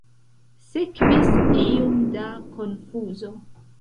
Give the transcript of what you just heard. Sekvis iom da konfuzo.